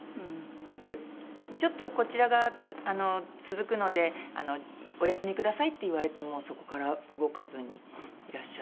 で「ちょっとこちらが続くのでお休みください」って言われてもそこから動かずにいらっしゃったりして。